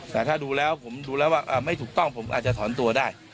แต่ถ้าดูแล้วผมดูแล้วว่าไม่ถูกต้องผมอาจจะถอนตัวได้